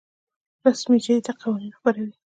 رسمي جریده قوانین خپروي